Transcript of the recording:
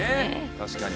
確かに。